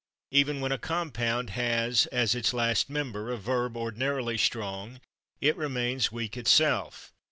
Even when a compound has as its last member a verb ordinarily strong, it remains weak itself.